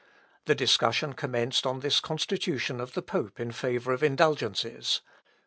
The discussion commenced on this constitution of the pope in favour of indulgences.